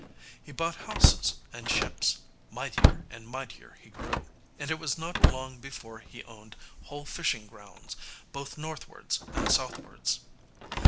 He bought houses and ships; mightier and mightier he grew. And it was not long before he owned whole fishing grounds, both northwards and southwards.